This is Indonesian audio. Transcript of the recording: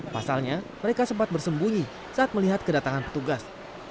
pasalnya mereka sempat bersembunyi saat melihat kedatangan petugas